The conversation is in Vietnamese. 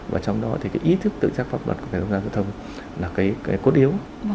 và trong đó thì cái ý thức tự giác pháp luật của các cơ quan giao thông là cái cốt yếu